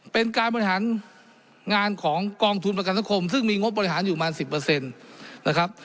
เป็นการบริหารงานของกองทุนประกันสังคมซึ่งมีงบบริหารอยู่ประมาณ๑๐นะครับ